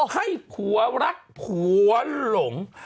ได้ขวารักขวาหล่ง